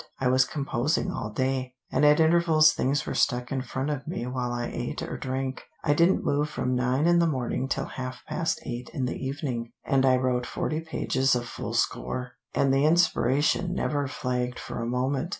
"I was composing all day, and at intervals things were stuck in front of me while I ate or drank. I didn't move from nine in the morning till half past eight in the evening, and I wrote forty pages of full score, and the inspiration never flagged for a moment.